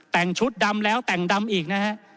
แต่งชุดดำแล้วแต่งดำอีกนะฮะ